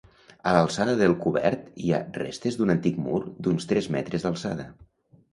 A l'alçada del cobert hi ha restes d'un antic mur d'uns tres metres d'alçada.